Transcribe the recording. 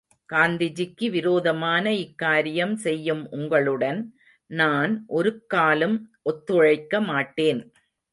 காந்திஜிக்கு விரோதமான இக்காரியம் செய்யும் உங்களுடன் நான் ஒருக்காலும் ஒத்துழைக்கமாட்டேன்.